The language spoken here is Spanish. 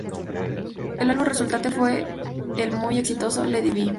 El álbum resultante fue el muy exitoso "Let It Be".